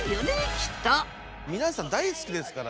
きっと皆さん大好きですから。